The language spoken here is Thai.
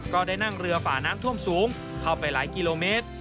ก็ได้นั่งเรือฝ่าน้ำท่วมสูงเข้าไปหลายกิโลเมตร